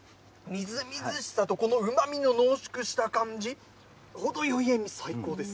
みずみずしさと、このうまみの濃縮した感じ、程よい塩み、最高です。